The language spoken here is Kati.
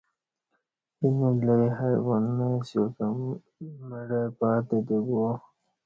اینہ لئ حیوان نہ اسیا کہ مڑہ پاتہ تے گوہ